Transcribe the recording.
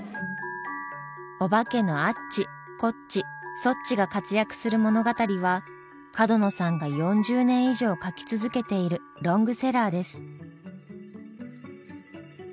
おばけのアッチコッチソッチが活躍する物語は角野さんが４０年以上書き続けているロングセラーです。